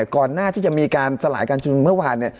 ก่อนหน้าที่จะมีการสลายการชุมนุมเมื่อวาน